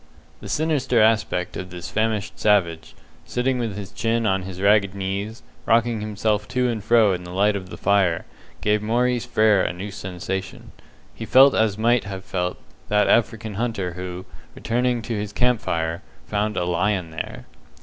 The sinister aspect of this famished savage, sitting with his chin on his ragged knees, rocking himself to and fro in the light of the fire, gave Mr. Maurice Frere a new sensation. He felt as might have felt that African hunter who, returning to his camp fire, found a lion there.